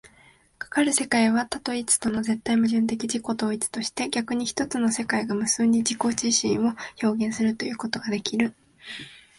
かかる世界は多と一との絶対矛盾的自己同一として、逆に一つの世界が無数に自己自身を表現するということができる。